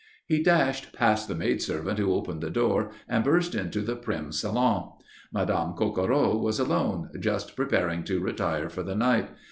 He dashed past the maid servant who opened the door and burst into the prim salon. Madame Coquereau was alone, just preparing to retire for the night.